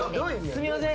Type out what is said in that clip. すいません。